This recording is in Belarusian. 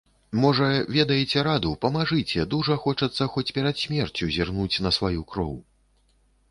Можа, ведаеце раду, памажыце, дужа хочацца хоць перад смерцю зірнуць на сваю кроў.